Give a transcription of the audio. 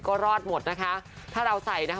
ก็รอดหมดนะคะถ้าเราใส่นะคะ